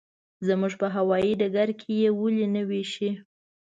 زموږ په هوايي ډګر کې یې ولې نه وېشي.